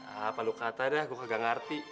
apa lu kata deh gue gak ngerti